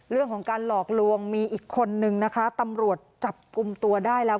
เรื่องของการหลอกลวงมีอีกคนนึงนะคะตำรวจจับกลุ่มตัวได้แล้ว